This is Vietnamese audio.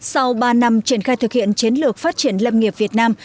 sau ba năm triển khai thực hiện chiến lược phát triển lâm nghiệp việt nam